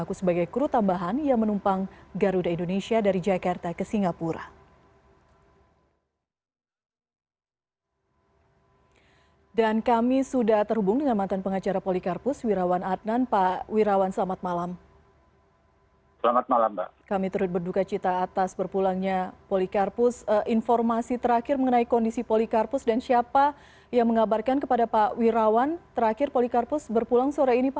kedua duanya juga terlihat berinteraksi saat singgah di amsang